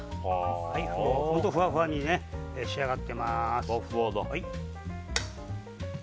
ふわふわに仕上がっています。